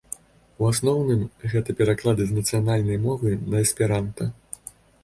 У асноўным гэта пераклады з нацыянальнай мовы на эсперанта.